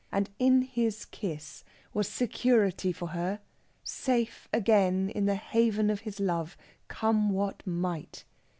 And in his kiss was security for her, safe again in the haven of his love, come what might.